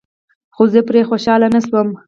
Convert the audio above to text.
خو زه پرې خوشحاله نشوم.